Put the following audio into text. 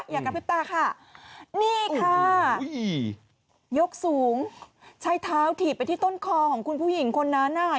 อย่ากระพริบตาค่ะนี่ค่ะยกสูงใช้เท้าถีบไปที่ต้นคอของคุณผู้หญิงคนนั้นอ่ะ